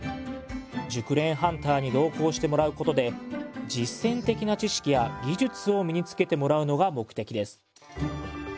熟練ハンターに同行してもらうことで実践的な知識や技術を身につけてもらうのが目的です。